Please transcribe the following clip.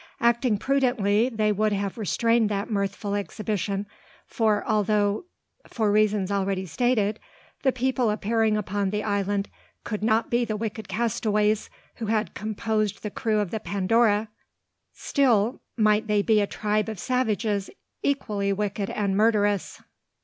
Acting prudently, they would have restrained that mirthful exhibition, for although, for reasons already stated, the people appearing upon the island could not be the wicked castaways who had composed the crew of the Pandora, still might they be a tribe of savages equally wicked and murderous.